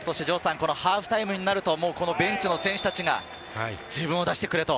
ハーフタイムになるとベンチの選手たちが自分を出してくれと。